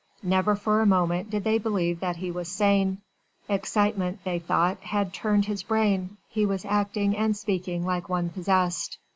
Never for a moment did they believe that he was sane. Excitement, they thought, had turned his brain: he was acting and speaking like one possessed.